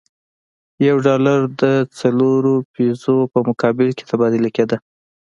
یو ډالر د څلورو پیزو په مقابل کې تبادله کېده.